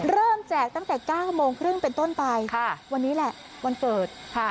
แจกตั้งแต่๙โมงครึ่งเป็นต้นไปวันนี้แหละวันเกิดค่ะ